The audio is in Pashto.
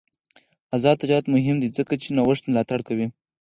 آزاد تجارت مهم دی ځکه چې نوښت ملاتړ کوي.